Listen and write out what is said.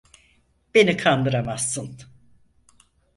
Beni kandıramazsın!